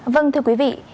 vâng thưa quý vị